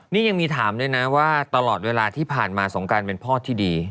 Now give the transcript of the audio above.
นี่ยังมีถามด้วยนะว่าตลอดเวลาที่ผ่านมาสงการเป็นพ่อที่ดี